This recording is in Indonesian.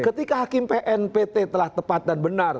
ketika hakim pnpt telah tepat dan benar